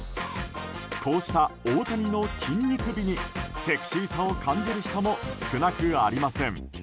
こうした大谷の筋肉美にセクシーさを感じる人も少なくありません。